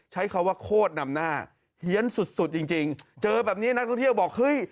ใช้คำว่าโคตรนำหน้าเฮียนสุดสุดจริงจริงเจอแบบนี้นักท่องเที่ยวบอกเฮ้ย